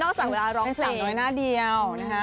นอกจากเวลาร้องเคลง